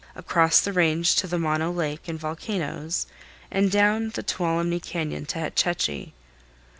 across the Range to the Mono Lake and volcanoes and down the Tuolumne Cañon to Hetch Hetchy.